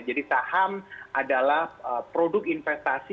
jadi saham adalah produk investasi